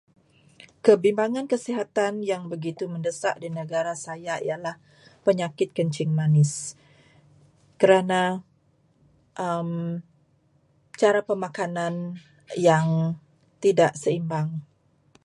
Kebimbangan kesihatan yang begitu mendesak di negara saya ialah penyakit kencing manis, kerana cara pemakanan yang tidak seimbang.